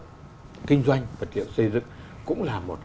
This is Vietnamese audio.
doanh nghiệp vật liệu xây dựng cũng là một